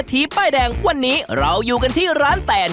ทีป้ายแดงวันนี้เราอยู่กันที่ร้านแตน